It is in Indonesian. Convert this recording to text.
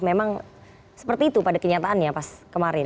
memang seperti itu pada kenyataannya pas kemarin